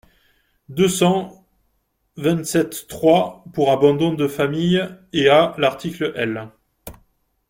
deux cent vingt-sept-trois pour abandon de famille et à l’article L.